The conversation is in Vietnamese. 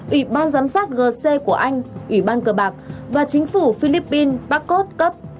ủy ban giám sát gc của anh ủy ban cờ bạc và chính phủ philippines barcos cấp